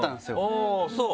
あぁそう？